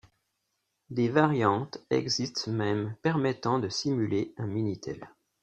Des variantes existent même permettant de simuler un Minitel.